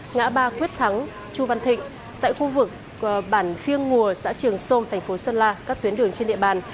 ngã ba quyết thắng chu văn thịnh tại khu vực bản phiêng mùa xã trường sơn thành phố sơn la các tuyến đường trên địa bàn